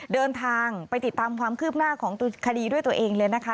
เดินทางไปติดตามความคืบหน้าของคดีด้วยตัวเองเลยนะคะ